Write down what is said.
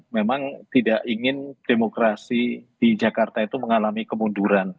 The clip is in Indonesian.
memang tidak ingin demokrasi di jakarta itu mengalami kemunduran